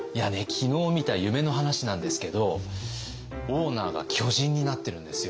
昨日見た夢の話なんですけどオーナーが巨人になってるんですよ。